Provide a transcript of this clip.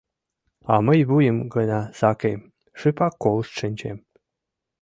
А мый вуйым гына сакем, шыпак колышт шинчем.